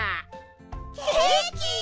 ケーキ！